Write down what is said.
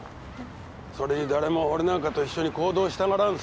それに誰も俺なんかと一緒に行動したがらんさ。